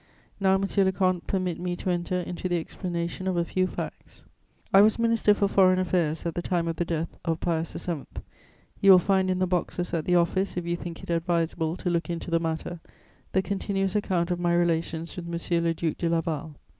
"Now, monsieur le comte, permit me to enter into the explanation of a few facts. "I was Minister for Foreign Affairs at the time of the death of Pius VII. You will find in the boxes at the Office, if you think it advisable to look into the matter, the continuous account of my relations with M. le Duc de Laval.